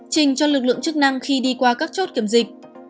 trình cho lực lượng chức năng khi đi qua các chốt kiểm dịch